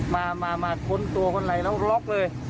มาคนตัวคนไรแล้วล็อคเลย